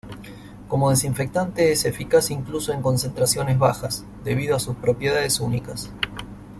Como desinfectante es eficaz incluso en concentraciones bajas debido a sus propiedades únicas.